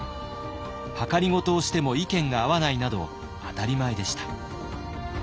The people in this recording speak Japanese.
はかりごとをしても意見が合わないなど当たり前でした。